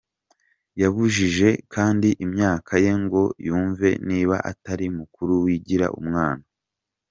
yamubajije kandi imyaka ye ngo yumve niba atari mukuru wigira umwana.